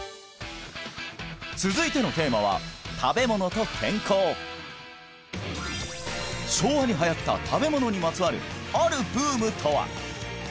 続いてのテーマは昭和に流行った食べ物にまつわるあるブームとは？